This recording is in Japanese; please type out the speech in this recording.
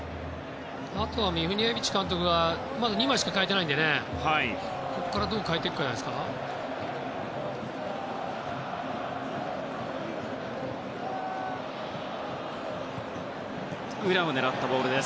あとはミフニエビチ監督がまだ２枚しか代えてないのでここからどう代えていくかですね。